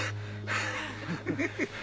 ハハハ。